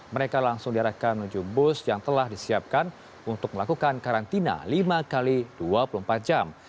mereka langsung diarahkan menuju bus yang telah disiapkan untuk melakukan karantina lima x dua puluh empat jam